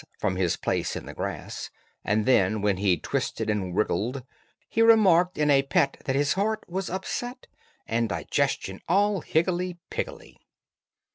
from his place in the grass, And then, when he'd twisted and wriggled, he Remarked in a pet that his heart was upset And digestion all higgledy piggledy.